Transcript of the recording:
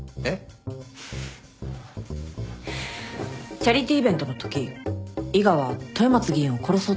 チャリティーイベントのとき伊賀は豊松議員を殺そうとしたよね？